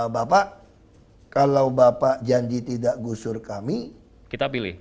bapak kalau bapak janji tidak gusur kami